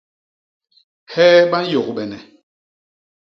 Hee ba nyôgbene?